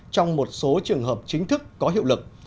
trong một số trường hợp chính thức có hiệu lực